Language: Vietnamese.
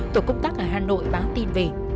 tổ công tác ở hà nội báo tin về